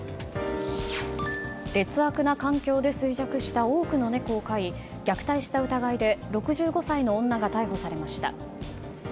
劣悪な環境で衰弱した多くの猫を飼い虐待した疑いで６５歳の女が逮捕されました。